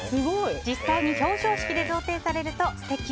実際に表彰式で贈呈されると素敵！